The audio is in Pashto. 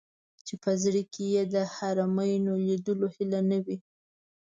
چې په زړه کې یې د حرمینو لیدلو هیله نه وي.